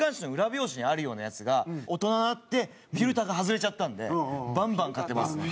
表紙にあるようなやつが大人になってフィルターが外れちゃったんでバンバン買ってますね。